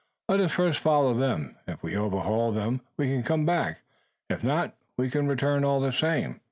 Let us first follow them! If we overhaul them, we can come back. If not, we can return all the same!"